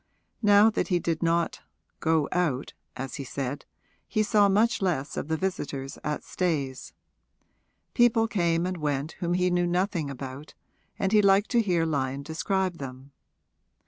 Now that he did not 'go out,' as he said, he saw much less of the visitors at Stayes: people came and went whom he knew nothing about, and he liked to hear Lyon describe them.